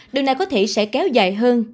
điều này có thể sẽ kéo dài hơn